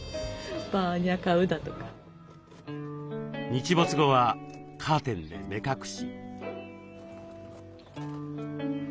日没後はカーテンで目隠し。